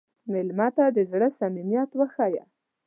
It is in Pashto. مېلمه ته د زړه صمیمیت وښیه.